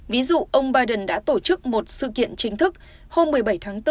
ví dụ ông biden đã tổ chức một sự kiện chính thức hôm một mươi bảy tháng bốn